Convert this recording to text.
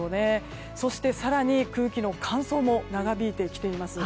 そして、更に空気の乾燥も長引いてきています。